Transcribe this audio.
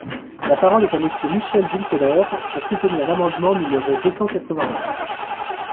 La parole est à Monsieur Michel Zumkeller, pour soutenir l’amendement numéro deux cent quatre-vingt-onze.